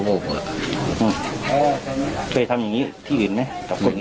ก็ดูว่าเหมือนกับท่านเอง